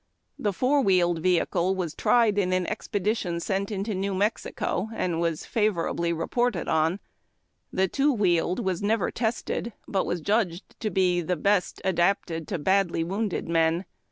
The four wheeled vehicle was tried in an expedition sent into New Mexico, and was favorably reported on; the two wheeled was never tested, but was judged to be the best adapted to badly wonuded men HOSPITALS AND AMBULANCES.